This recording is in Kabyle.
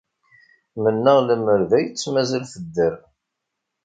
Mennaɣ lemmer d ay tt-mazal tedder.